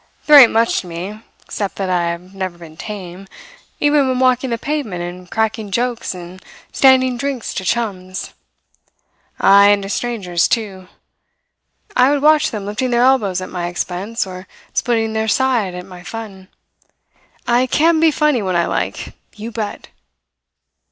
There ain't much to me, except that I have never been tame, even when walking the pavement and cracking jokes and standing drinks to chums ay, and to strangers, too. I would watch them lifting their elbows at my expense, or splitting their side at my fun I can be funny when I like, you bet!"